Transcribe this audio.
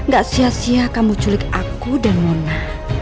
gak sia sia kamu culik aku dan mona